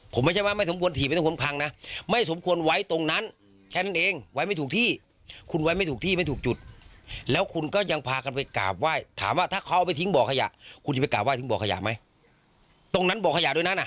พบต้องยินไหมนะตรงนั้นบอกยาอย่าไปนะนะ